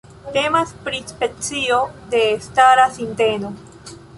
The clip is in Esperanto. Temas pri specio de stara sinteno.